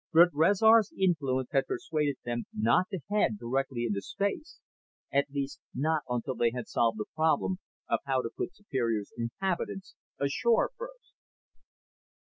But Rezar's influence had persuaded them not to head directly into space at least not until they had solved the problem of how to put Superior's inhabitants "ashore" first.